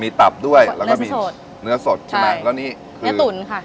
มีตับด้วยแล้วก็มีสดเนื้อสดใช่ไหมแล้วนี่เนื้อตุ๋นค่ะ